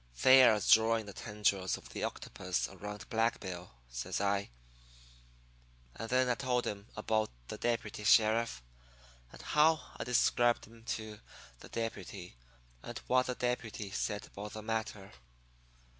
"'They're drawing the tendrils of the octopus around Black Bill,' says I. And then I told him about the deputy sheriff, and how I'd described him to the deputy, and what the deputy said about the matter.